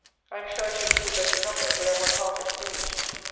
I am sure I should prove that in number they are one half extinguished.